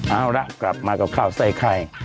เอาละกลับมากับข้าวใส่ไข่